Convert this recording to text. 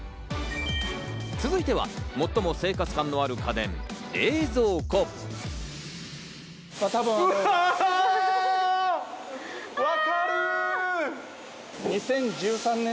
続いては最も生活感のある家電、冷蔵庫。わ！